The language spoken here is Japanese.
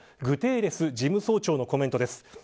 グテーレス事務総長のコメントです。